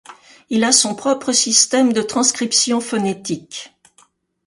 Il a son propre système de transcription phonétique.